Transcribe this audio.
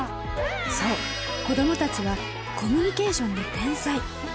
そう、子どもたちは、コミュニケーションの天才。